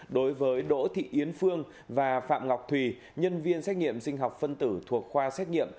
đối với đỗ thị yến phương và phạm ngọc thùy nhân viên xét nghiệm sinh học phân tử thuộc khoa xét nghiệm